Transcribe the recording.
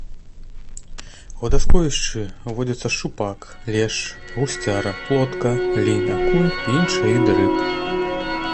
У вадасховішчы водзяцца шчупак, лешч, гусцяра, плотка, лінь, акунь і іншыя віды рыб.